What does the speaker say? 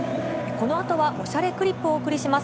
この後は『おしゃれクリップ』をお送りします。